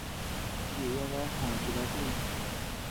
Diya bea jòò chivato ñeʼëñ.